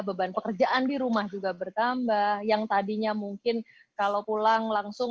beban pekerjaan di rumah juga bertambah yang tadinya mungkin kalau pulang langsung